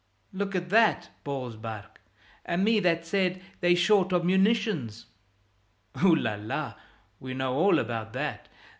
"Look at that," bawls Barque, "and me that said they were short of munitions!" "Oh, la, la! We know all about that!